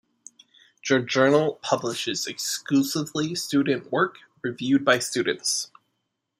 The journal publishes exclusively student work, reviewed by students.